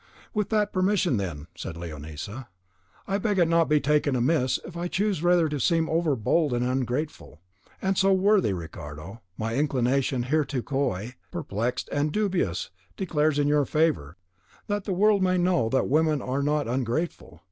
"With that permission, then," said Leonisa, "I beg it may not be taken amiss if I choose rather to seem overbold than ungrateful; and so, worthy Ricardo, my inclination, hitherto coy, perplexed, and dubious, declares in your favour, that the world may know that women are not all ungrateful.